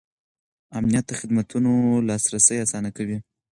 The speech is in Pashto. امنیت د خدمتونو لاسرسی اسانه کوي.